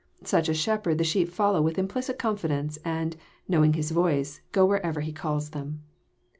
Such a shepherd the sheep follow with implicit confidence, itnd, know ing his voice, go wherever he calls them.